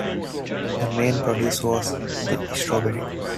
The main produce was the strawberry.